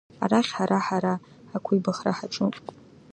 Арахь ҳара-ҳара ақәибахра ҳаҿуп!